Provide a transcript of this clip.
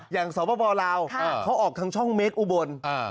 อย่างสวบบราวเขาออกทางช่องเมคอุบล